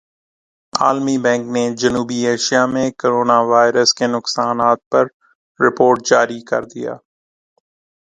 عالمی بینک نے جنوبی ایشیا میں کورونا وائرس کے نقصانات پر رپورٹ جاری کر دیا